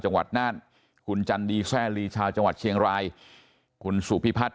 จังหวัดน่านคุณจันดีแซ่ลีชาวจังหวัดเชียงรายคุณสุพิพัฒน์